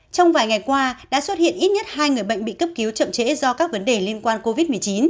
trong vài ngày qua đã xuất hiện ít nhất hai người bệnh bị cấp cứu chậm trễ do các vấn đề liên quan covid một mươi chín